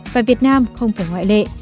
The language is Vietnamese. và việt nam không phải ngoại lệ